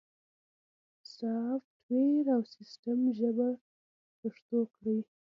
سافت ویر او سیستم ژبه پښتو کړئ